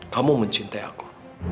kamu mencintai aku